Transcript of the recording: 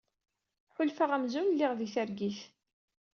Ḥulfaɣ amzun lliɣ di targit.